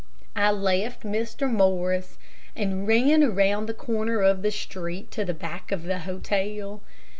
I left Mr, Morris, and ran around the corner of the street to the back of the hotel.